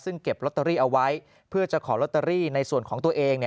ซึ่งเก็บลอตเตอรี่เอาไว้เพื่อจะขอลอตเตอรี่ในส่วนของตัวเอง